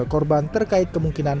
dengan korban terkait kemungkinan